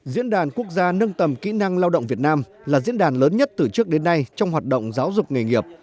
diễn đàn quốc gia nâng tầm kỹ năng lao động việt nam là diễn đàn lớn nhất từ trước đến nay trong hoạt động giáo dục nghề nghiệp